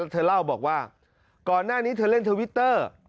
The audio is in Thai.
เธอเล่าบอกว่าก่อนหน้านี้เธอเล่นทวิตเตอร์